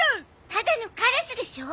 ただのカラスでしょ。